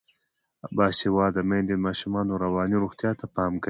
باسواده میندې د ماشومانو رواني روغتیا ته پام کوي.